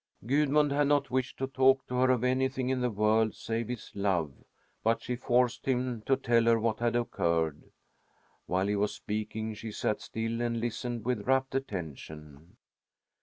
Gudmund had not wished to talk to her of anything in the world save his love, but she forced him to tell her what had occurred. While he was speaking she sat still and listened with rapt attention.